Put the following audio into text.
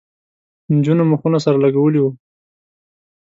نجونو مخونه سره لگولي وو.